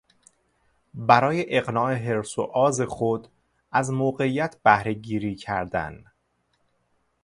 برای اقناع حرص و آز خود از موقعیت بهرهگیری کردن